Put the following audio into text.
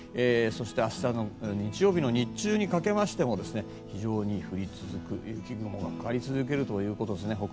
そして明日の日曜日の日中にかけましても雪雲がかかり続けるということですね。